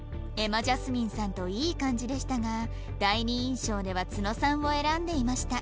瑛茉ジャスミンさんといい感じでしたが第二印象では津野さんを選んでいました